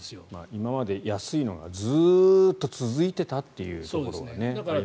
今まで安いのがずっと続いていたというところはありますからね。